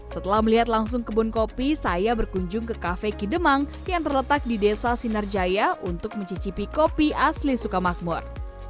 setelah melihat langsung kebun kopi saya berkunjung ke cafe kidemang yang terletak di desa sinarjaya untuk mencicipi kopi asli sukamakmur